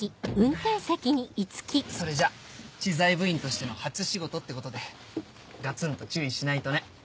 それじゃ知財部員としての初仕事ってことでガツンと注意しないとね。